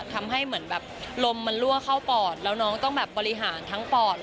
ทำให้เหมือนแบบลมมันรั่วเข้าปอดแล้วน้องต้องแบบบริหารทั้งปอด